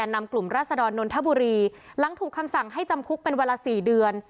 นำกลุ่มราศดรนนทบุรีหลังถูกคำสั่งให้จำคุกเป็นเวลา๔เดือน